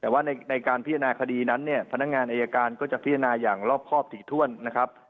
แต่ว่าในการพิจารณาคดีนั้นเนี่ยพนักงานอายการก็จะพิจารณาอย่างรอบครอบถี่ถ้วนนะครับ